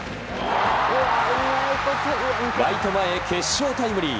ライト前へ決勝タイムリー！